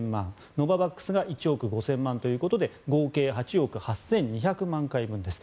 ノババックスが１億５０００万ということで合計８億８２００万回分です。